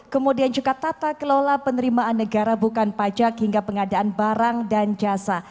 kemudian juga tata kelola penerimaan negara bukan pajak hingga pengadaan barang dan jasa